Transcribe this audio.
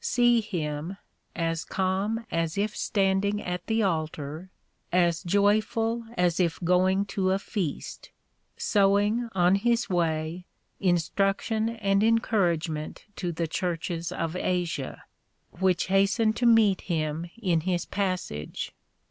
See him, as calm as if standing at the altar, as joyful as if going to a feast; sowing, on his way, instruction and encouragement to the churches of Asia, which hasten to meet him in his passage.